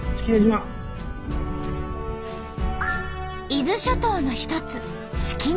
伊豆諸島の一つ式根島。